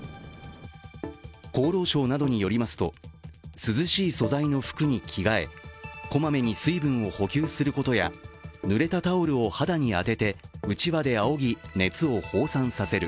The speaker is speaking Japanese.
厚労省などによりますと、涼しい素材の服に着替えこまめに水分を補給することや、ぬれたタオルを肌に当ててうちわであおぎ、熱を放散させる。